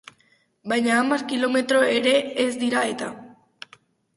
Baina hamar kilometro ere ez dira-eta.